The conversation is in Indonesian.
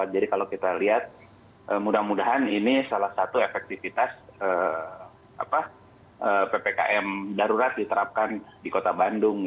jadi kalau kita lihat mudah mudahan ini salah satu efektivitas ppkm darurat diterapkan di kota bandung